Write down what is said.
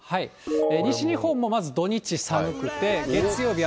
西日本もまず土日寒くて、月曜日雨。